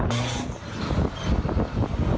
ลงมาลงมาลงมา